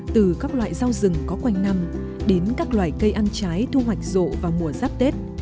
từ các loại rau rừng có quanh năm đến các loài cây ăn trái thu hoạch rộ vào mùa giáp tết